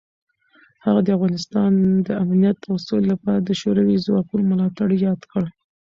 هغه د افغانستان د امنیت او سولې لپاره د شوروي ځواکونو ملاتړ یاد کړ.